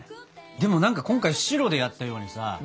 でも何か今回白でやったようにさ